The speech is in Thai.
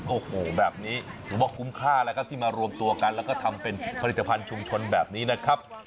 โอ้โหแบบนี้ถือว่าคุ้มค่าแล้วครับที่มารวมตัวกันแล้วก็ทำเป็นผลิตภัณฑ์ชุมชนแบบนี้นะครับ